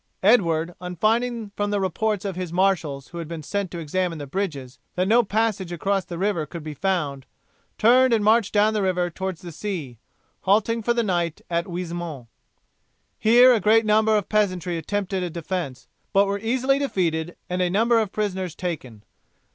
Edward, on finding from the reports of his marshals who had been sent to examine the bridges, that no passage across the river could be found, turned and marched down the river towards the sea, halting for the night at Oisemont. Here, a great number of peasantry attempted a defence, but were easily defeated and a number of prisoners taken.